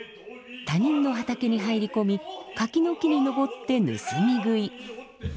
他人の畑に入り込み柿の木に登って盗み食い。